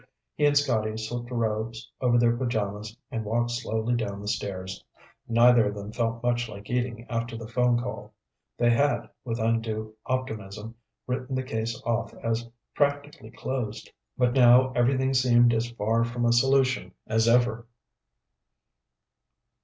He and Scotty slipped robes over their pajamas and walked slowly down the stairs. Neither of them felt much like eating after the phone call. They had, with undue optimism, written the case off as practically closed. But now everything seemed as far from a solution as ever.